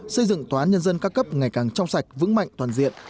xây dựng tòa án nhân dân các cấp ngày càng trong sạch vững mạnh toàn diện